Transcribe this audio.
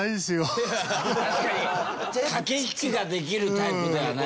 駆け引きができるタイプではないよね。